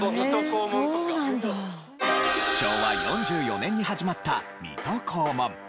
昭和４４年に始まった『水戸黄門』。